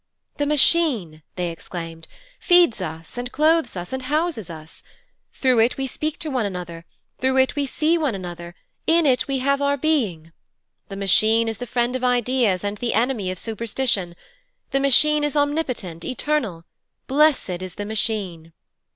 'The Machine,' they exclaimed, 'feeds us and clothes us and houses us; through it we speak to one another, through it we see one another, in it we have our being. The Machine is the friend of ideas and the enemy of superstition: the Machine is omnipotent, eternal; blessed is the Machine.'